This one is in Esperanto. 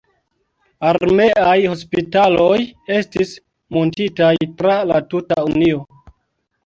Armeaj hospitaloj estis muntitaj tra la tuta Unio.